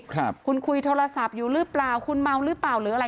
ครับคุณคุยโทรศัพท์อยู่หรือเปล่าคุณเมาหรือเปล่าหรืออะไร